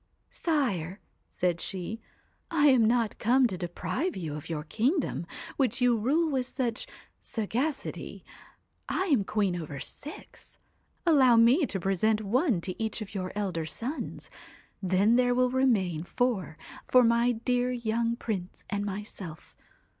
* Sire !' said she, * I am not come to deprive you of your kingdom, which you rule with such sagacity. I am queen over six. Allow me to present one to each of your elder sons ; then there will remain four for my dear young Prince and myself.